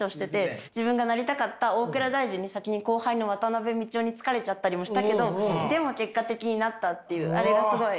自分がなりたかった大蔵大臣に先に後輩の渡辺美智雄に就かれちゃったりもしたけどでも結果的になったっていうあれがすごい。